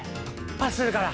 パスするから。